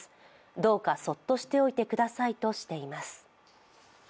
どうかそっとしておいてくださいとしています。